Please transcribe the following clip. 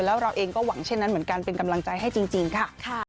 แล้วเราเองก็หวังเช่นนั้นเหมือนกันเป็นกำลังใจให้จริงค่ะ